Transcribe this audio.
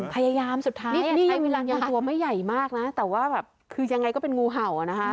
พยายามสุดท้ายนี่ยังมีรังยังตัวไม่ใหญ่มากนะแต่ว่าแบบคือยังไงก็เป็นงูเห่าอ่ะนะฮะ